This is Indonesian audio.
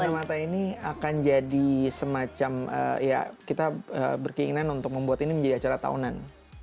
kacamata ini akan jadi semacam ya kita berkeinginan untuk membuat ini menjadi acara tahunan